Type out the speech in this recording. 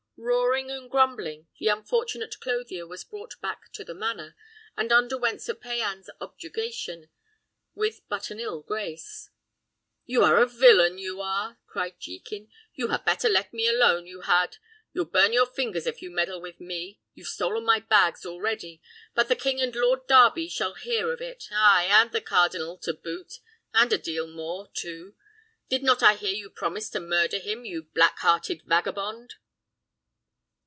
Roaring and grumbling, the unfortunate clothier was brought back to the manor, and underwent Sir Payan's objurgation with but an ill grace. "You are a villain! you are!" cried Jekin. "You had better let me alone, you had! You'll burn your fingers if you meddle with me. You've stolen my bags already. But the king and Lord Darby shall hear of it; ay, and the cardinal to boot, and a deal more too. Did not I hear you promise to murder him, you black hearted vagabond?"